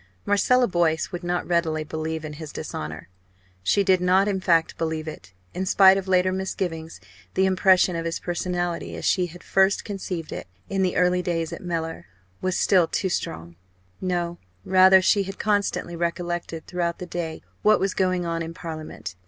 Marcella Boyce would not readily believe in his dishonour! She did not in fact believe it. In spite of later misgivings, the impression of his personality, as she had first conceived it, in the early days at Mellor, was still too strong. No rather she had constantly recollected throughout the day what was going on in Parliament.